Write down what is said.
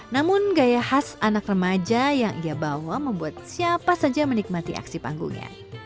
namun gaya khas anak remaja yang ia bawa membuat siapa saja menikmati aksi panggungnya